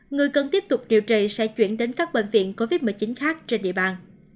người cần tiếp tục điều trị sẽ chuyển đến các bệnh viện covid một mươi chín khác trên địa bàn